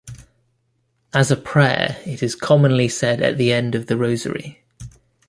As a prayer, it is commonly said at the end of the rosary.